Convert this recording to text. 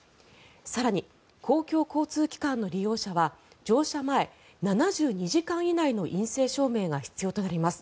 更に、公共交通機関の利用者は乗車前７２時間以内の陰性証明が必要となります。